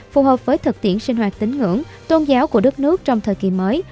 phù hợp với thực tiễn sinh hoạt tín ngưỡng tôn giáo của đất nước trong thời kỳ mới